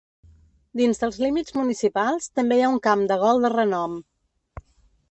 Dins dels límits municipals també hi ha un camp de gol de renom.